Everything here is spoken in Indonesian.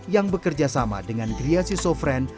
yang bekerja sama dengan griasi sofren